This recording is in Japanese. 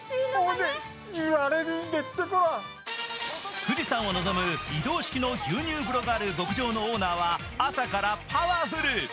富士山をのぞむ移動式の牛乳風呂がある牧場のオーナーは朝からパワフル。